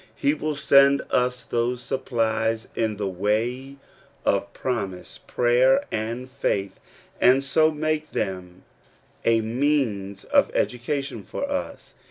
He will send us those suppL "^ in the way of promise, prayer, and faith, and ^^^ make them a means of education for us.